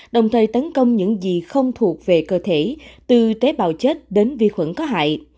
đồng thời tấn công những gì không thuộc về cơ thể từ tế bào chết đến vi khuẩn có hại